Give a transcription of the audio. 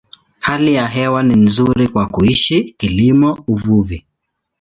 Hali ya hewa ni nzuri kwa kuishi, kilimo, uvuvi.